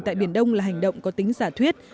tại biển đông là hành động có tính giả thuyết